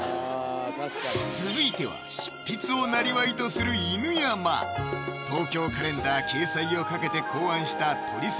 続いては執筆をなりわいとする犬山「東京カレンダー」掲載を懸けて考案したとり澤